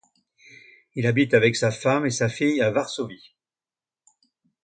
Il habite avec sa femme et sa fille à Varsovie.